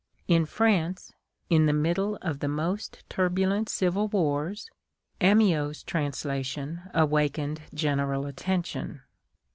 In France, in the middle of the most turbulent civil wars, Amyot's translation awakened general attention.